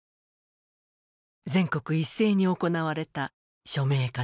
全国一斉に行われた署名活動。